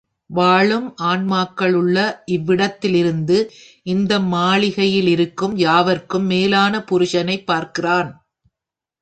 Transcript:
வாழும் ஆன்மாக்களுள்ள இவ்விடத்திலிருந்து இந்த மாளிகையிலிருக்கும் யாவர்க்கும் மேலான புருஷனைப் பார்க்கிறான்.